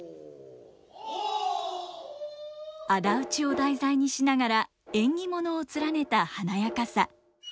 仇討ちを題材にしながら縁起物を連ねた華やかさ。